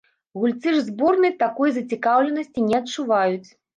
Гульцы ж зборнай такой зацікаўленасці не адчуваюць.